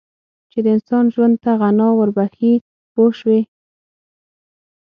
چې د انسان ژوند ته غنا ور بخښي پوه شوې!.